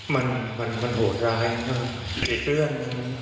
มันมันมันโหดร้ายมากเกลียดเลื่อน